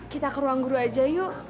kita ke ruang guru aja yuk